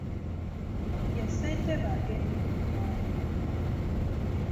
Ye ssentebe agenda okuvaako.